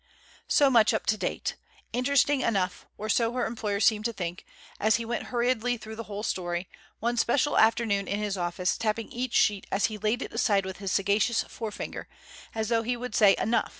So much up to date. Interesting enough, or so her employer seemed to think, as he went hurriedly through the whole story, one special afternoon in his office, tapping each sheet as he laid it aside with his sagacious forefinger, as though he would say, "Enough!